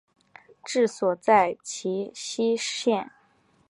治所在齐熙县。